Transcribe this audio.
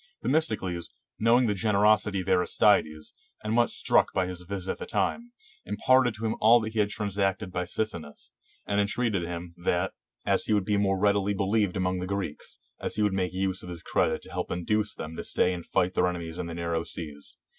Themistocles, knowing the generosity of Aristides, and much struck by his visit at that time, imparted to him all that he had transacted by Sicinnus, and entreated him, that, as he would be more readily believed among the Greeks, he would make use of his credit to help to induce them to stay and fight their ene mies in the narrow seas.